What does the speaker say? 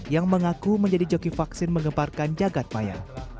yang mengaku menjadi joki vaksin mengeparkan jagad maya